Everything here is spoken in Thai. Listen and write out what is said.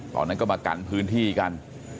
ตอนนั้นก็มากันพื้นที่กัน